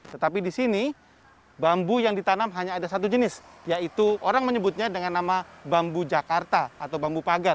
tetapi di sini bambu yang ditanam hanya ada satu jenis yaitu orang menyebutnya dengan nama bambu jakarta atau bambu pagar